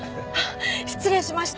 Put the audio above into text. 失礼しました！